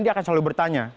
dia akan selalu bertanya